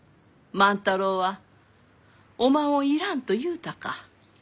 万太郎はおまんを要らんと言うたか。